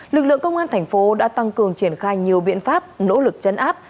lực lượng công an thành phố đã tăng cường triển khai nhiều biện pháp nỗ lực chấn áp